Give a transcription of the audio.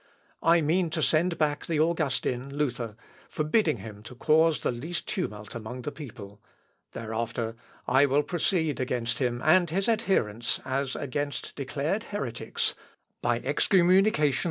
I mean to send back the Augustin, Luther, forbidding him to cause the least tumult among the people; thereafter I will proceed against him and his adherents as against declared heretics, by excommunication.